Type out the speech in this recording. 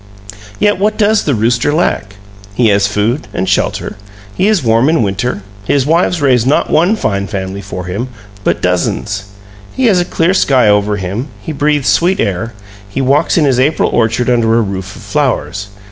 Yet, what does the rooster lack? He has food and shelter; he is warm in winter; his wives raise not one fine family for him, but dozens. He has a clear sky over him; he breathes sweet air; he walks in his April orchard under a roof of flowers.